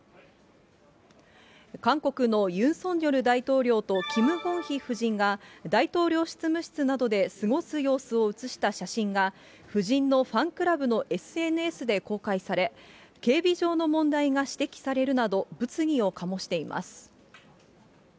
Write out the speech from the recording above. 韓国のユン・ソンニョル大統領とキム・ゴンヒ夫人が大統領執務室などで過ごす様子を写した写真が、夫人のファンクラブのＳＮＳで公開され、警備上の問題が指摘されるなど、物議を醸しています。